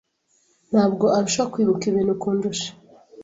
Ntabwo urusha kwibuka ibintu kundusha.